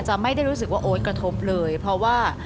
ไม่ได้รู้สึกว่าโอ๊ตกระทบเลยเพราะว่า